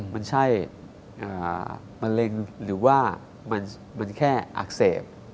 มันใช่มะเร็งหรือว่ามันแค่อักเสบ